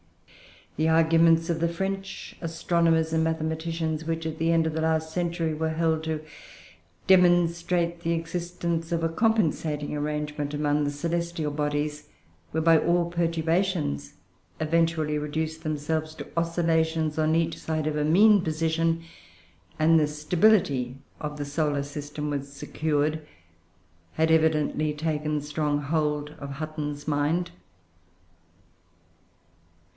The arguments of the French astronomers and mathematicians, which, at the end of the last century, were held to demonstrate the existence of a compensating arrangement among the celestial bodies, whereby all perturbations eventually reduced themselves to oscillations on each side of a mean position, and the stability of the solar system was secured, had evidently taken strong hold of Hutton's mind.